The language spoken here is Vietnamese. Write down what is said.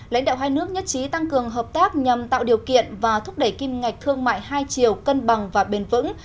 lãnh đạo hai nước nhất trí tăng cường hợp tác nhằm tạo điều kiện và thúc đẩy kim ngạch thương mại hai chiều cân bằng và bền vững